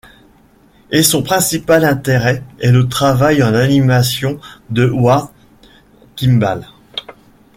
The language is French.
Et son principal intérêt est le travail en animation de Ward Kimball.